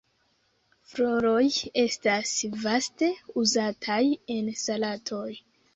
Floroj estas vaste uzataj en salatoj.